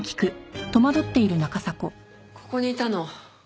ここにいたの。